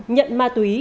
nhận ma túy